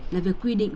là việc quy định